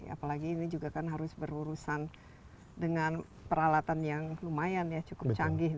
apalagi ini juga kan harus berurusan dengan peralatan yang lumayan ya cukup canggih